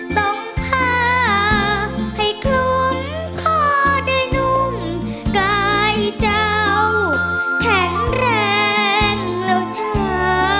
ต้องพาให้คลุ้มคอได้นุ่มกายเจ้าแข็งแรงแล้วจ้า